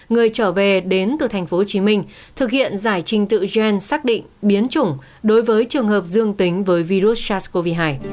người trở về đến từ tp hcm thực hiện giải trình tự gen xác định biến chủng đối với trường hợp dương tính với virus sars cov hai